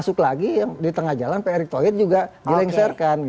masuk lagi di tengah jalan pak erick thohir juga dilengsarkan